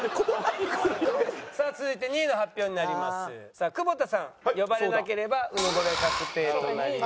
さあ久保田さん呼ばれなければうぬぼれ確定となります。